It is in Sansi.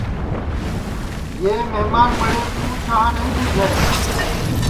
یہ مھمان مڑے کُو چاں نائی ٻوجھے